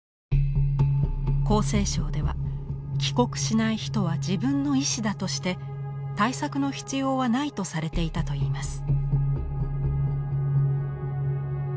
厚生省では帰国しない人は自分の意思だとして対策の必要はないとされていたといいます。